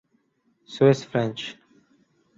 Swiss French